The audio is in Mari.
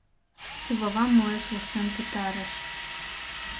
Кувавам уэш вурсен пытарыш